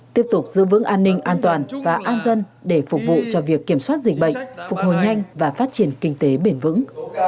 tiếp tục giữ vững an ninh an toàn và an dân để phục vụ cho việc kiểm soát dịch bệnh phục hồi nhanh và phát triển kinh tế bền vững